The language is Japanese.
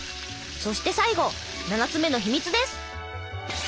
そして最後７つ目の秘密です！